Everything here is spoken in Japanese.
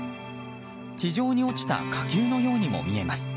地上に落ちた火球のようにも見えます。